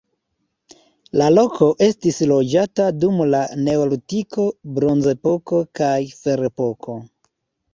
La loko estis loĝata dum la neolitiko, bronzepoko kaj ferepoko.